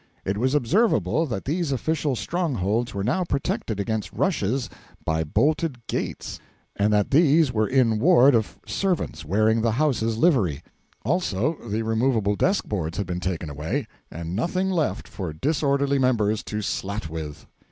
It was observable that these official strongholds were now protected against rushes by bolted gates, and that these were in ward of servants wearing the House's livery. Also the removable desk boards had been taken away, and nothing left for disorderly members to slat with.